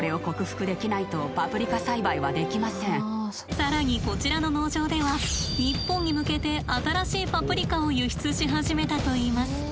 更にこちらの農場では日本に向けて新しいパプリカを輸出し始めたといいます。